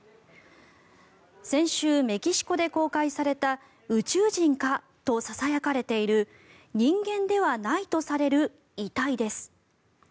先週、メキシコで公開された宇宙人か？とささやかれている人間ではないとされる遺体です。